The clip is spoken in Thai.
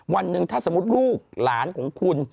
วันหนึ่งถ้าสมมุติลูกหลานของคุณ